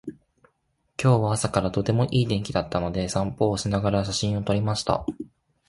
今日は朝からとてもいい天気だったので、散歩をしながら写真を撮りました。